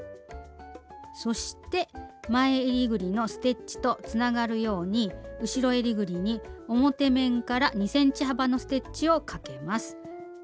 そして前えりぐりのステッチとつながるように後ろえりぐりに表面から２ｃｍ幅のステッチをかけます。